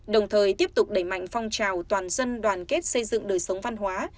đồng thời tiếp tục đẩy mạnh phong trào toàn dân đoàn kết xây dựng đời sống văn hóa